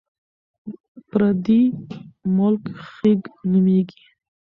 پردی ملک خیګ نومېږي.